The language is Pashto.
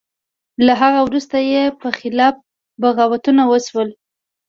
له هغه وروسته یې په خلاف بغاوتونه وشول.